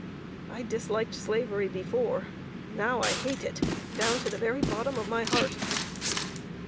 I disliked Slavery before; now I hate it, down to the very bottom of my heart."